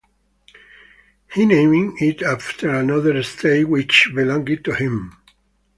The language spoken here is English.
He named it after another estate which belonged to him.